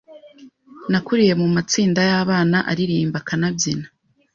Nakuriye mu matsinda y’abana aririmba akanabyina